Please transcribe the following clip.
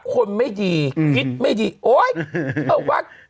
คนไม่ดีคิดไม่ดีโอ๊ยอ้าวว๊ะ